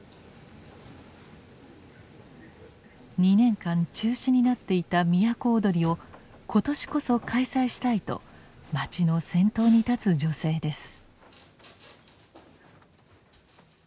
２年間中止になっていた都をどりを今年こそ開催したいと町の先頭に立つ女性です。